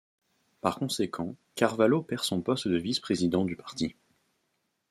Par conséquent, Carvalho perd son poste de vice-président du parti.